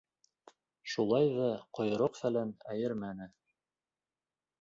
Шулай ҙа ҡойроҡ-фәлән эйәрмәне.